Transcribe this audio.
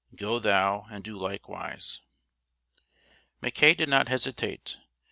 'Go thou and do likewise.'" Mackay did not hesitate.